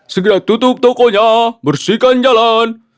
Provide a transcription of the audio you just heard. segera tutup tokonya bersihkan jalan